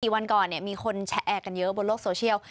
กี่วันก่อนเนี่ยมีคนแชร์แอร์กันเยอะบนโลกโซเชียล